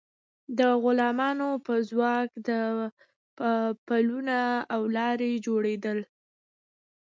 د غلامانو په ځواک پلونه او لارې جوړیدل.